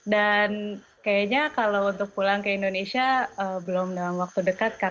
dan kayaknya kalau untuk pulang ke indonesia belum dalam waktu dekat